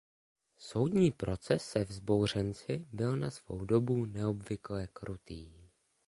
Soudní proces se vzbouřenci byl na svou dobu neobvykle krutý.